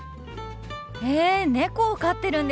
へえ猫を飼ってるんですね！